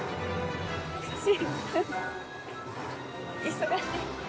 忙しい。